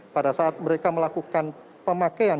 pada saat mereka melakukan pemakaian